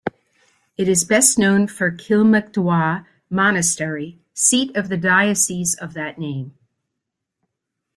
It is best known for Kilmacduagh monastery, seat of the Diocese of that name.